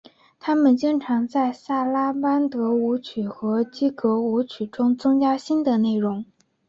他们经常在萨拉班德舞曲和基格舞曲中增加新的内容。